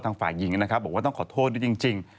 ฝ่ายหญิงนะครับบอกว่าต้องขอโทษด้วยจริง